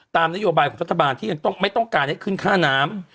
ตามนโยบายของรัฐบาลที่ยังไม่ต้องการให้ขึ้นค่าน้ำ